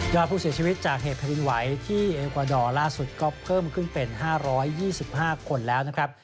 ผู้เสียชีวิตจากเหตุแผ่นดินไหวที่เอกวาดอร์ล่าสุดก็เพิ่มขึ้นเป็น๕๒๕คนแล้วนะครับ